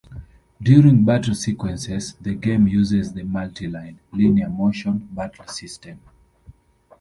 During battle sequences, the game uses the Multi-Line Linear Motion Battle System.